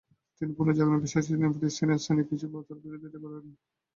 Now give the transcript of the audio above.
তিনি পুনর্জাগরণে বিশ্বাসী ছিলেন এবং ফিলিস্তিনের স্থানীয় কিছু প্রথার বিরোধিতা করতেন।